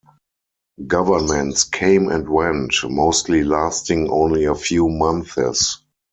Governments came and went, mostly lasting only a few months.